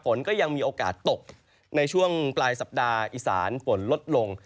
ฝนก็ยังมีโอกาสตกในช่วงปลายสัปดาห์อีสานฝนลดลง